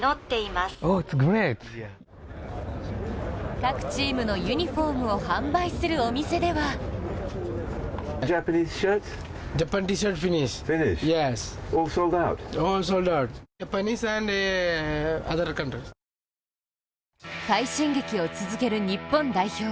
各チームのユニフォームを販売するお店では快進撃を続ける日本代表。